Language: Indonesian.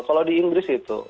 kalau di inggris itu